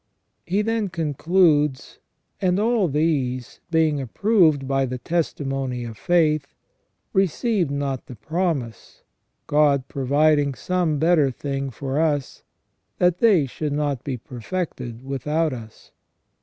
He then concludes :" And all these, being approved by the testimony of faith, received not the promise, God pro viding some better thing for us, that they should not be perfected without us